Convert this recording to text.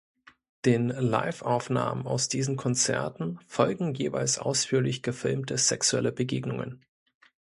Den Liveaufnahmen aus diesen Konzerten folgen jeweils ausführlich gefilmte sexuelle Begegnungen.